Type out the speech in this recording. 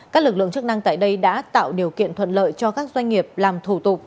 các lực lượng chức năng tại đây đã tạo điều kiện thuận lợi cho các doanh nghiệp làm thủ tục